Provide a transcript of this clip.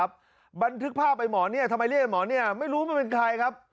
บันทึกภาพไอ้หมอเนี่ยทำไมเรียกไอ้หมอเนี่ยไม่รู้มันเป็นใครครับ